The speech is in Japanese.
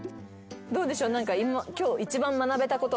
どうでしょう。